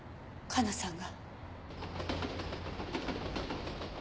加奈さん